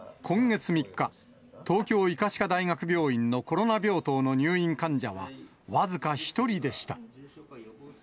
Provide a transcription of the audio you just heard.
今月３日、東京医科歯科大学病院のコロナ病棟の入院患者は、僅か１人でした。